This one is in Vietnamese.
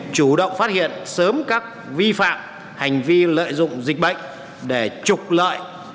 chủ động phát hiện sớm các vi phạm hành vi lợi dụng dịch bệnh để trục lợi